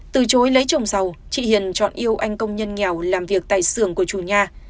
từ chối lấy chồng giàu chị hiền chọn yêu anh công nhân nghèo làm việc tại xưởng của chủ nhà